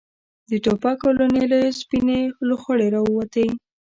د ټوپکو له نليو سپينې لوخړې را ووتې.